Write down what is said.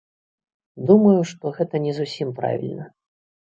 Думаю, што гэта не зусім правільна.